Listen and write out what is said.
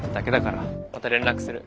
また連絡する。